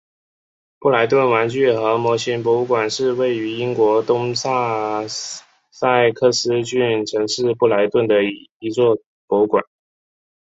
布莱顿玩具和模型博物馆是位于英国东萨塞克斯郡城市布莱顿的一座博物馆。